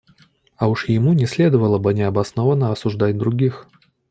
А уж ему не следовало бы необоснованно осуждать других.